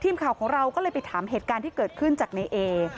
ทีมข่าวของเราก็เลยไปถามเหตุการณ์ที่เกิดขึ้นจากในเอ